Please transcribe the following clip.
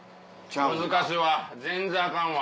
難しいわ全然アカンわ。